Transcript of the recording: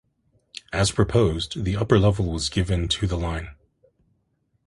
As proposed, the upper level was given to the line.